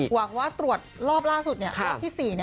หวังว่าตรวจรอบล่าสุดรอบที่๔